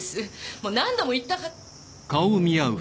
もう何度も言ったは。